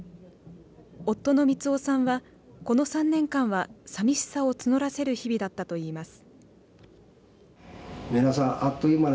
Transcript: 夫の満雄さんはこの３年間は寂しさを募らせる日々だったといいます。